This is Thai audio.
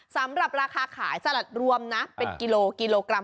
สำหรับราคาขายสลัดรวมนะเป็นกิโลกรัม